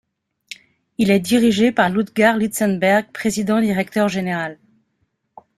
Il est dirigé par Lutgarde Liezenberg, Président Directeur Général.